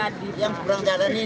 kalau yang seberang jalan ini ini